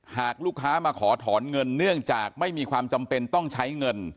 หากลูกค้ามาขอถอนเงินเนื่องจากไม่มีความจำเป็นต้องใช้เงิน